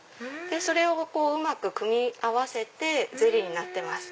それをうまく組み合わせてゼリーになってます。